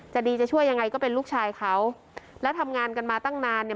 ดีจะช่วยยังไงก็เป็นลูกชายเขาแล้วทำงานกันมาตั้งนานเนี่ย